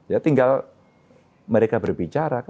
ya tinggal mereka berbicara